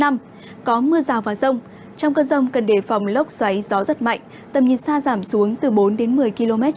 mưa rào và rông vài nơi riêng phía tây nam và nam vùng biển quần đào hoàng sa có mưa rào và rông rải rác làm giảm tầm nhìn xa ở khu vực xuống bốn đến một mươi km